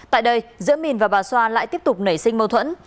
tại đây giữa mình và bà xoa lại tiếp tục nảy sinh mâu thuẫn